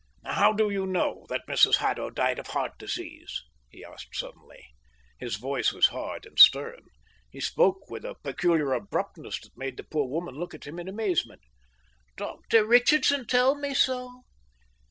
"How do you know that Mrs Haddo died of heart disease?" he asked suddenly. His voice was hard and stern. He spoke with a peculiar abruptness that made the poor woman look at him in amazement. "Dr Richardson told me so."